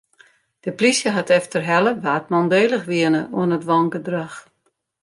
De polysje hat efterhelle wa't mandélich wiene oan it wangedrach.